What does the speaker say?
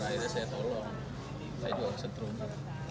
akhirnya saya tolong saya jual setrum